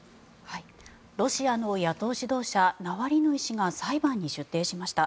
ロシアの野党指導者ナワリヌイ氏が裁判に出廷しました。